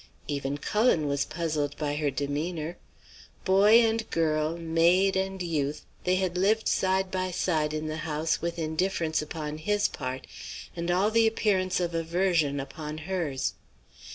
"Even Cullen was puzzled by her demeanour. Boy and girl, maid and youth, they had lived side by side in the house with indifference upon his part and all the appearance of aversion upon hers.